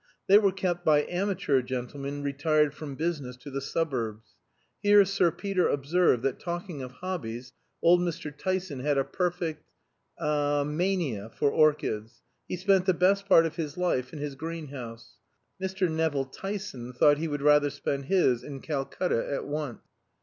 They were kept by amateur gentlemen retired from business to the suburbs. Here Sir Peter observed that talking of hobbies, old Mr. Tyson had a perfect er mania for orchids; he spent the best part of his life in his greenhouse. Mr. Nevill Tyson thought he would rather spend his in Calcutta at once.